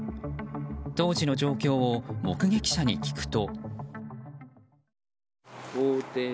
当時の状況を目撃者に聞くと。